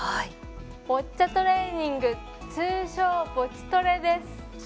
ボッチャトレーニング通常ボチトレです。